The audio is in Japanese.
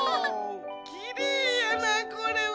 きれいやなこれは。